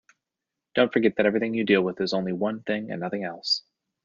Don't forget that everything you deal with is only one thing and nothing else.